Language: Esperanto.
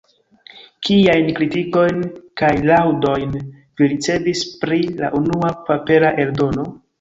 Kiajn kritikojn kaj laŭdojn vi ricevis pri la unua papera eldono?